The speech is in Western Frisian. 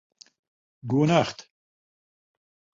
Goenacht